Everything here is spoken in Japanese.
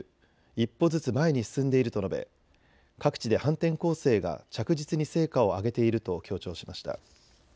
１歩ずつ前に進んでいると述べ各地で反転攻勢が着実に成果を上げていると強調しました。